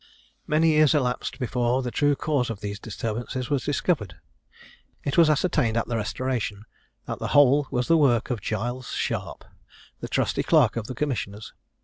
Many years elapsed before the true cause of these disturbances was discovered. It was ascertained, at the Restoration, that the whole was the work of Giles Sharp, the trusty clerk of the commissioners.